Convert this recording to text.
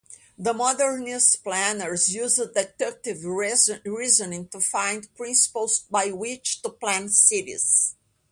The modernist planners used deductive reasoning to find principles by which to plan cities.